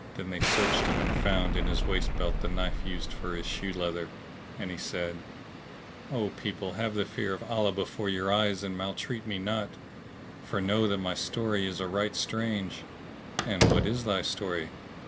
Then they searched him and found in his waist belt the knife used for his shoe leather; and he said, "O people, have the fear of Allah before your eyes and maltreat me not, for know that my story is a right strange!" "And what is thy story?"